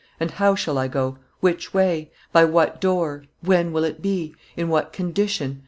And how shall I go? Which way? By what door? When will it be? In what condition?